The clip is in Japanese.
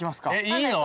いいの？